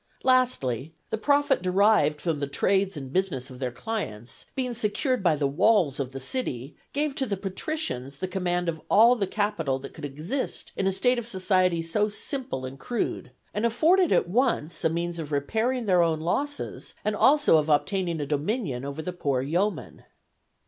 Lastly, the profit derived from the trades and business of their clients, being secured by the walls of the city, gave to the patricians the command of all the capital that could exist in a state of society so simple and crude, and afforded at once a means of repairing their own losses, and also of obtaining a dominion over the poor yeoman.